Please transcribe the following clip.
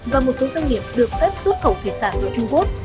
và một số doanh nghiệp được phép xuất khẩu thủy sản ở trung quốc